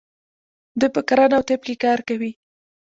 دوی په کرنه او طب کې کار کوي.